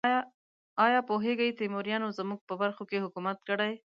ایا پوهیږئ تیموریانو زموږ په برخو کې حکومت کړی؟